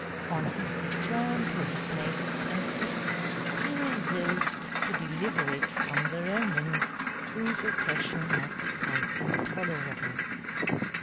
On his return to his native country, he resolved to deliver it from the Romans, whose oppression had become intolerable.